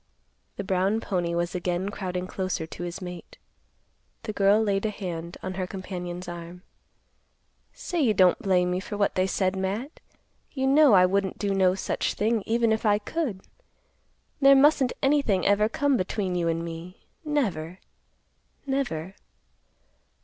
The brown pony was again crowding closer to his mate. The girl laid a hand on her companion's arm. "Say you don't blame me for what they said, Matt. You know I wouldn't do no such a thing even if I could. There mustn't anything ever come between you and me; never—never.